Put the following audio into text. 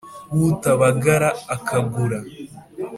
wutabagara akagura